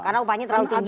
kenapa ini terlalu tinggi